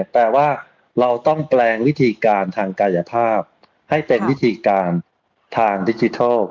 แปลว่าเราต้องแปลงวิธีการทางกายภาพให้เป็นวิธีการทางดิจิทัล